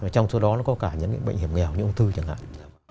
trong số đó nó có cả những bệnh hiểm nghèo những ông thư chẳng hạn